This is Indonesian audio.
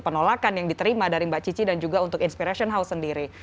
penolakan yang diterima dari mbak cici dan juga untuk inspiration house sendiri